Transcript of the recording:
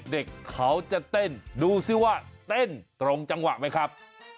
เด็กเขาจะเต้นดูซิว่าเต้นตรงจังหวะไหมครับ